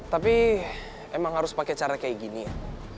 tapi emang harus pakai cara kayak gini ya